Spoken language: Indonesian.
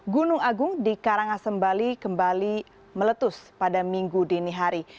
gunung agung di karangasem bali kembali meletus pada minggu dini hari